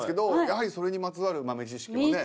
やはりそれにまつわる豆知識をね。